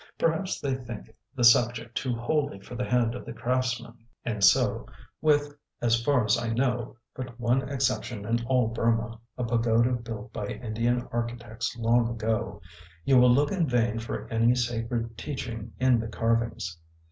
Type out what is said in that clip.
Perhaps they think the subject too holy for the hand of the craftsman, and so, with, as far as I know, but one exception in all Burma a pagoda built by Indian architects long ago you will look in vain for any sacred teaching in the carvings.